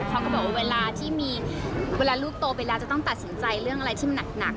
เขาก็บอกว่าเวลาที่มีเวลาลูกโตไปแล้วจะต้องตัดสินใจเรื่องอะไรที่มันหนัก